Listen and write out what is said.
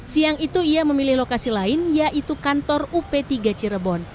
siang itu ia memilih lokasi lain yaitu kantor up tiga cirebon